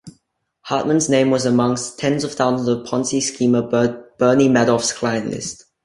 Hartman's name was among tens of thousands on Ponzi schemer Bernie Madoff's client list.